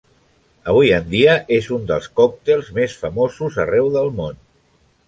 Avui en dia és un dels còctels més famosos arreu del món.